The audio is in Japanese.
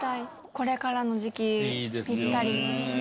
これからの時期、ぴったり。